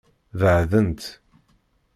Beɛdent.